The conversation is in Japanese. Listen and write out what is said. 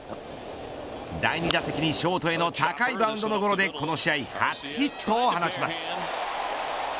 第２打席に、ショートへの高いバウンドのゴロでこの試合初ヒットを放ちます。